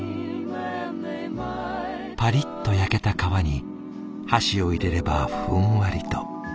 パリッと焼けた皮に箸を入れればふんわりと。